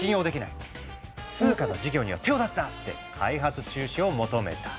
通貨の事業には手を出すな！」って開発中止を求めた。